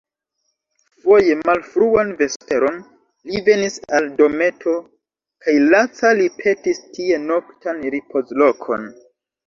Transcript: Foje, malfruan vesperon, li venis al dometo, kaj laca li petis tie noktan ripozlokon.